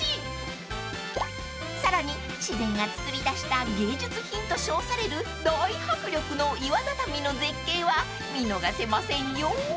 ［さらに自然がつくりだした芸術品と称される大迫力の岩畳の絶景は見逃せませんよ］